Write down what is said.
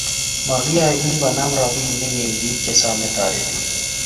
Magiyae biik konem robinik eng biik chesome toretet